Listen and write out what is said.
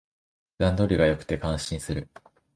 段取りが良くて感心する